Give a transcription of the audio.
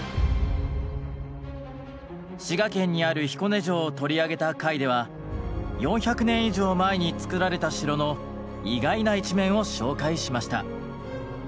滋賀県にある彦根城を取り上げた回では４００年以上前に造られた城の意外な一面を紹介しました。